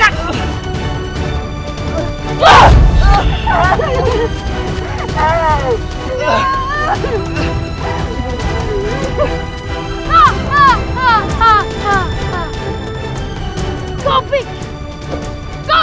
mati jangan bunuh anak aku aku mau aku mau